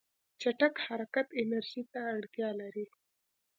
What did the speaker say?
چټک حرکت انرژي ته اړتیا لري.